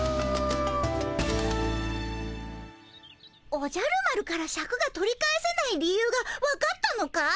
おじゃる丸からシャクが取り返せない理由がわかったのかい？